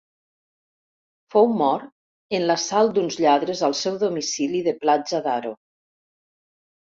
Fou mort en l'assalt d'uns lladres al seu domicili de Platja d'Aro.